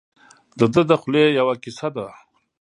دده د خولې یوه کیسه ده.